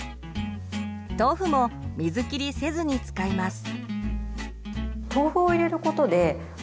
豆腐も水切りせずに使います。